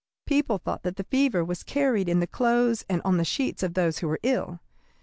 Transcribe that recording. People thought that the fever was carried in the clothes and on the sheets of those who were ill.